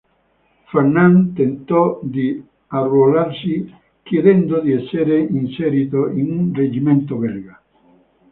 Fernand tentò di arruolarsi, chiedendo di essere inserito in un reggimento belga.